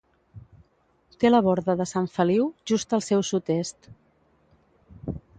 Té la Borda de Sant Feliu just al seu sud-est.